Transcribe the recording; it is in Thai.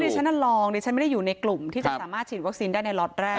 ฉันน่ะลองดิฉันไม่ได้อยู่ในกลุ่มที่จะสามารถฉีดวัคซีนได้ในล็อตแรก